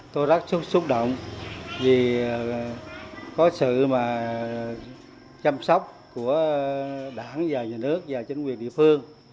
tôi rất xúc động vì có sự chăm sóc của đảng và nhà nước và chính quyền địa phương